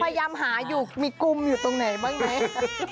พยายามหาอยู่มีกุมอยู่ตรงไหนบ้างไหม